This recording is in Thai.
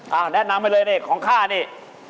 เอาแนะนำไปเลยนี่ของข้านี่